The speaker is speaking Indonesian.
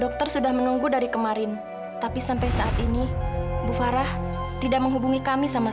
dokter sudah menunggu dari kemarin tapi sampai saat ini bu farah tidak menghubungi kami sama